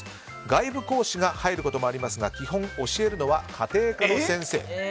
外部講師が入ることもありますが基本、教えるのは家庭科の先生。